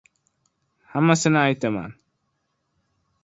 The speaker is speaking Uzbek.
— Hammasini aytaman!